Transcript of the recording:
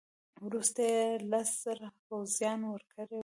وروسته یې لس زره پوځیان ورکړي وه.